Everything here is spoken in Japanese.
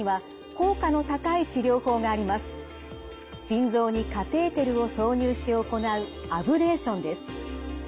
心臓にカテーテルを挿入して行うアブレーションです。